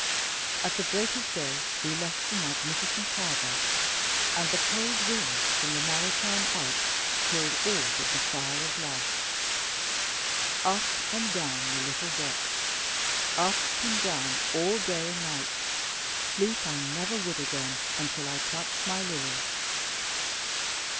At the break of day we left the magnificent harbour, and the cold wind from the maritime Alps chilled all but the fire of love. Up and down the little deck, up and down all day and night; sleep I never would again, until I touched my Lily.